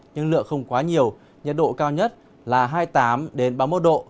nhưng lượng không quá nhiều nhiệt độ cao nhất là hai mươi tám ba mươi một độ